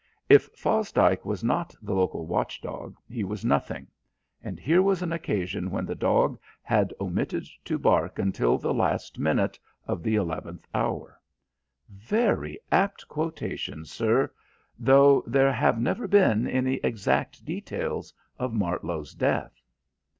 If Fosdike was not the local watch dog, he was nothing; and here was an occasion when the dog had omitted to bark until the last minute of the eleventh hour. "Very apt quotation, sir, though there have never been any exact details of Martlow's death."